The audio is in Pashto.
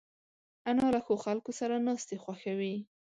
انا له ښو خلکو سره ناستې خوښوي